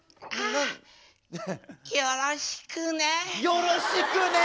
よろしくね。